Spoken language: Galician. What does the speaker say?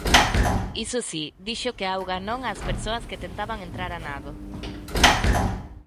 Iso si, dixo que á auga non ás persoas que tentaban entrar a nado.